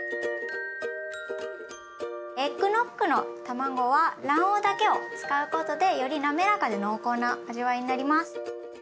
エッグノッグの卵は卵黄だけを使うことでよりなめらかで濃厚な味わいになります。